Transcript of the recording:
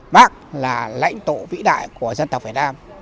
bác là lãnh tụ vĩ đại của dân tộc việt nam